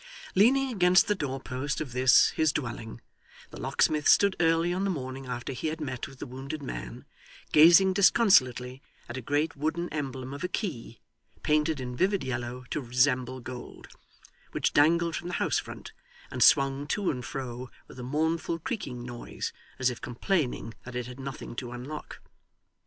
Leaning against the door post of this, his dwelling, the locksmith stood early on the morning after he had met with the wounded man, gazing disconsolately at a great wooden emblem of a key, painted in vivid yellow to resemble gold, which dangled from the house front, and swung to and fro with a mournful creaking noise, as if complaining that it had nothing to unlock.